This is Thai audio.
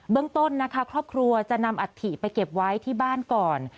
เรื่องต้นนะคะครอบครัวจะนำอัฐิไปเก็บไว้ที่บ้านก่อน